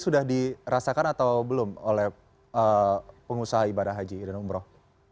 sudah dirasakan atau belum oleh pengusaha ibadah haji dan umroh